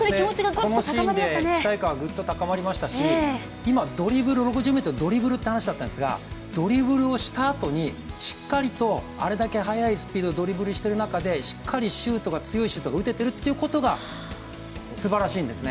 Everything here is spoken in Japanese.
このシーンで期待感はぐっと高まりましたし今、ドリブル６０ｍドリブルって話だったんですがドリブルをしたあとにあれだけ速いスピードでドリブルしている中でしっかり強いシュートが打てているということがすばらしいんですね